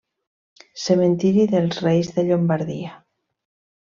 Cementiri dels reis de Llombardia.